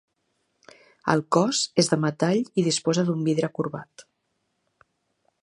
El cos és de metall i disposa d'un vidre corbat.